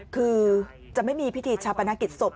คือจะไม่มีพิธีชาปนกิจศพ